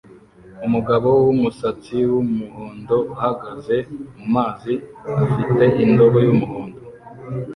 Umugabo wumusatsi wumuhondo uhagaze mumazi afite indobo yumuhondo